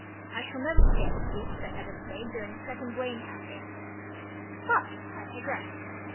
I shall never forget the speech that Evarts made during the second Blaine campaign. But I digress.